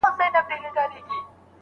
ایا د اجناسو بیې اسمان ته ختلې دي؟